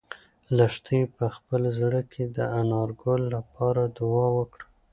لښتې په خپل زړه کې د انارګل لپاره دعا وکړه.